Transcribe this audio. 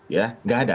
ya nggak ada